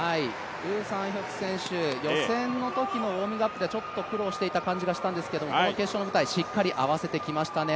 ウ・サンヒョク選手、予選のときはウォーミングアップで苦労していた印象があるんですけれども、この決勝の舞台、しっかり合わせてきましたね。